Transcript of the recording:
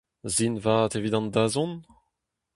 Sin vat evit an dazont ?